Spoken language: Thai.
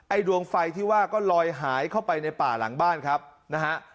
ดวงไฟที่ว่าก็ลอยหายเข้าไปในป่าหลังบ้านครับนะฮะ